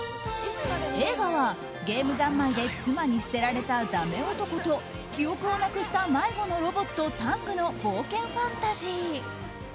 映画はゲームざんまいで妻に捨てられた、だめ男と記憶をなくした迷子のロボットタングの冒険ファンタジー。